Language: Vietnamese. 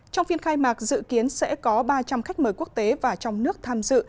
trong phiên khai mạc dự kiến sẽ có ba trăm linh khách mời quốc tế và trong nước tham dự